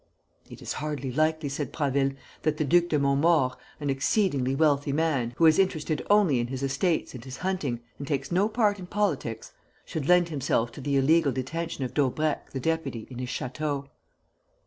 "It is hardly likely," said Prasville, "that the Duc de Montmaur, an exceedingly wealthy man, who is interested only in his estates and his hunting and takes no part in politics, should lend himself to the illegal detention of Daubrecq the deputy in his chateau."